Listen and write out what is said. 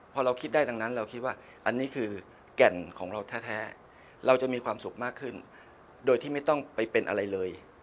พอเราคิดได้ดังนั้นเราคิดว่าอันนี้คือแก่นของเราแท้เราจะมีความสุขมากขึ้นโดยที่ไม่ต้องไปเป็นอะไรเลย